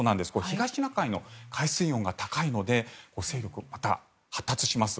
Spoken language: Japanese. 東シナ海の海水温が高いので勢力がまた発達します。